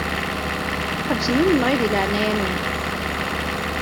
Ḥebsem imenɣi di leɛnaya-nwen.